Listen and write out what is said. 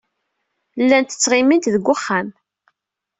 Llant ttɣimint deg wexxam.